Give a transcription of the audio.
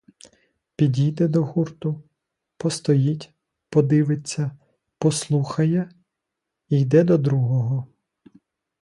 Підійде до гурту, постоїть, подивиться, послухає — і йде до другого.